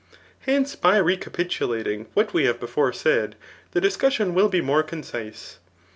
Hence, by recapitulating i<wbat wt have before said, the discussion will be more coacise.